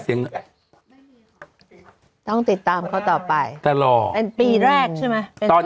ต้องติดตามเขาต่อไปตลอดเป็นปีแรกใช่ไหม